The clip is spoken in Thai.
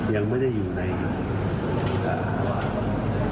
ยังไม่ได้อยู่ในพูดภาค